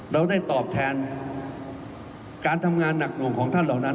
เราได้ตอบแทนการทำงานหนักหน่วงของท่านเหล่านั้น